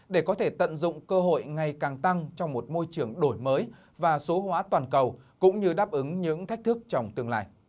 để có thể tận dụng cơ hội ngày càng tăng trong một môi trường đổi mới và số hóa toàn cầu cũng như đáp ứng những thách thức trong tương lai